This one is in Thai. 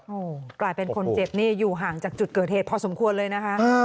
โอ้โหกลายเป็นคนเจ็บนี่อยู่ห่างจากจุดเกิดเหตุพอสมควรเลยนะคะ